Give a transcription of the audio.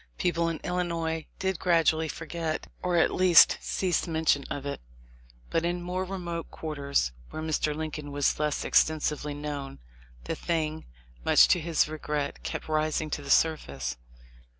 People in Illinois did gradually forget or, at least, cease mention of it, but in more remote quarters where Mr. Lincoln was less extensively known, the thing, much to his regret, kept rising to the surface.